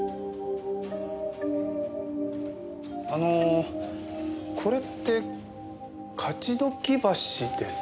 あのこれって勝鬨橋ですよね？